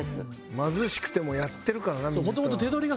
貧しくてもやってるからな水田は。